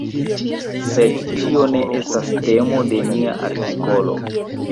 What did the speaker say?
Sed tio ne estas temo de nia artikolo.